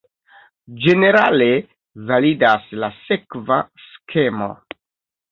Ĝenerale validas la sekva skemo.